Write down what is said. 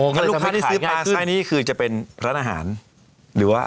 ถ้าลูกค้าที่ซื้อมาซื้อนี่คือจะเป็นร้านอาหารหรือว่า